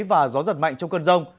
và gió giật mạnh trong cơn rông